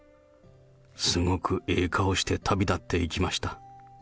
すごくええ顔して旅立っていきました。